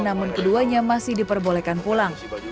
namun keduanya masih diperbolehkan pulang